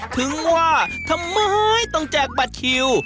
ถึงว่าทำไมต้องแจกบัตรคิว